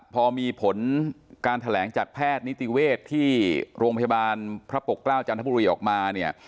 พอมีผลการแถลงจากแพทย์นิติเวศที่โรงพยาบาลพระปกเกล้าจันทบุรีออกมาเนี่ย